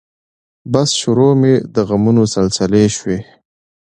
بس شروع مې د غمونو سلسلې شوې